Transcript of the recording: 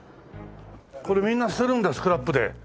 これみんな捨てるんだスクラップで。